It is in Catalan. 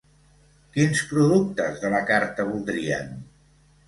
Quins productes de la carta voldrien?